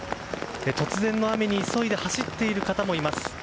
突然の雨に急いで走っている方もいます。